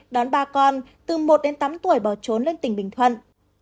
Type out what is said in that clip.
đón ba con từ một đến tám tuổi bỏ trốn lên tỉnh bình thuận